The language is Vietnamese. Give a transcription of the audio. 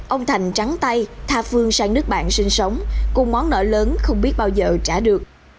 ông thành trắng tay tha phương sang nước bạn sinh sống cùng món nở lớn không biết bao giờ trả được